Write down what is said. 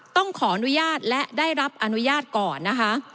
ต้องขออนุญาตและได้รับอนุญาตก่อนนะคะ